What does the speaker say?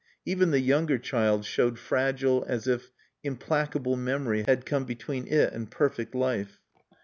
Even the younger child showed fragile as if implacable memory had come between it and perfect life.